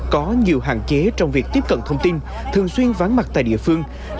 có nhiều hạn chế trong việc tiếp cận thông tin thường xuyên ván mặt tại địa phương